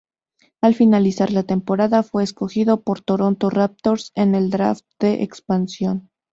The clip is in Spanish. Al finalizar la temporada fue escogido por Toronto Raptors en el draft de expansión.